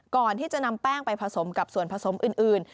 ก่อนที่จะนำแป้งไปผสมกับส่วนผสมอื่น